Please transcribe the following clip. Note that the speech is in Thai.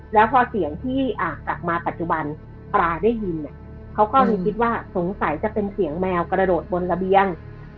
แล้วพอเสียงที่กลับมาปัจจุบันปลาได้ยินเนี่ยเขาก็เลยคิดว่าสงสัยจะเป็นเสียงแมวกระโดดบนระเบียง